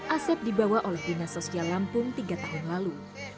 asep dibawa oleh dinasos jalampung tiga tahun lalu